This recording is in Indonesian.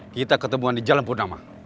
kita ketemuan di jalan purnama